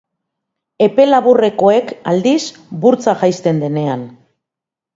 Epe laburrekoek, aldiz, burtsa jaisten denean.